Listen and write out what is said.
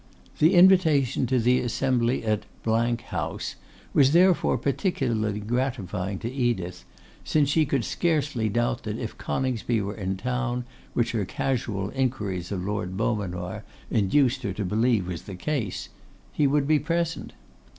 The invitation to the assembly at House was therefore peculiarly gratifying to Edith, since she could scarcely doubt that if Coningsby were in town, which her casual inquiries of Lord Beaumanoir induced her to believe was the case, he would be present.